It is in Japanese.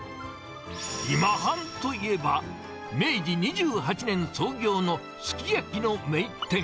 今半といえば、明治２８年創業のすき焼きの名店。